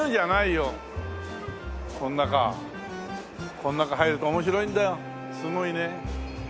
この中入ると面白いんだよすごいね。